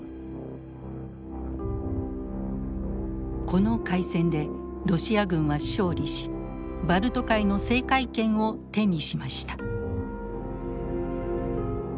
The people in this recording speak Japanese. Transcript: この海戦でロシア軍は勝利しバルト海の制海権を手にしました。